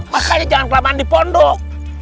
makanya jangan kelamaan di pondok